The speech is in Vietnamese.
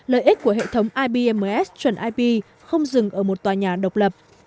lợi ích của hệ thống ibms chuẩn ip không dừng ở một tòa nhà độc lập